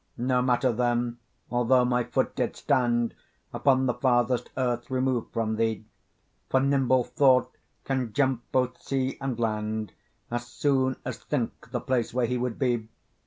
No matter then although my foot did stand Upon the farthest earth remov'd from thee; For nimble thought can jump both sea and land, As soon as think the place where he would be.